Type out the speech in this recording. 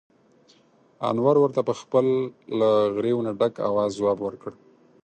انور ورته په خپل له غريو نه ډک اواز ځواب ور کړ: